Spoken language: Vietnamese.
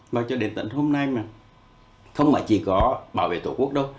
và cho đến tận hôm nay mà không chỉ có bảo vệ tổ quốc đâu